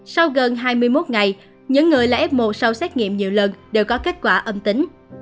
sau gần hai mươi một ngày những người là f một sau xét nghiệm nhiều lần đều có kết quả âm tính